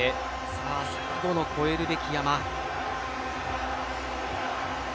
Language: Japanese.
さあ最後の越えるべき山。